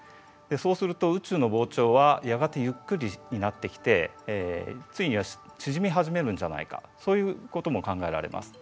そうすると宇宙の膨張はやがてゆっくりになってきてついには縮みはじめるんじゃないかそういうことも考えられます。